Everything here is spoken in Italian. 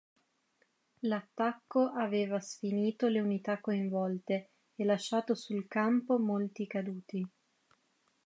L'attacco aveva sfinito le unità coinvolte e lasciato sul campo molti caduti.